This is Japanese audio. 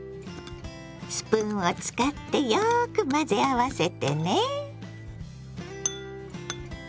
スプーンを使ってよく混ぜ合わせてね。